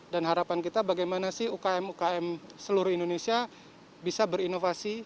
dan harapan kita bagaimana sih ukm ukm seluruh indonesia bisa berinovasi